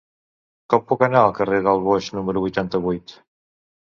Com puc anar al carrer del Boix número vuitanta-vuit?